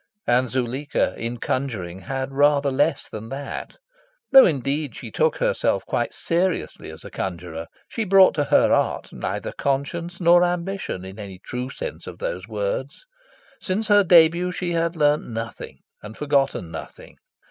And Zuleika, in conjuring, had rather less than that. Though indeed she took herself quite seriously as a conjurer, she brought to her art neither conscience nor ambition, in any true sense of those words. Since her debut, she had learned nothing and forgotten nothing.